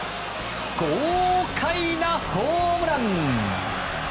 豪快なホームラン。